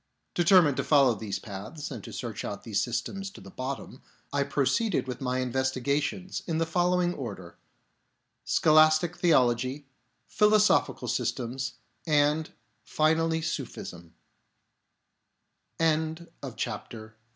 Determined to follow these paths and to search out these systems to the bottom, I proceeded with my investigations in the following order : Scholastic theology ; philosophical systems ;} and, finally